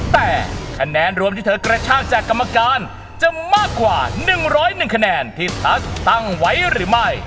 แต่คะแนนรวมที่เธอกระชากจากกรรมการจะมากกว่า๑๐๑คะแนนที่พักตั้งไว้หรือไม่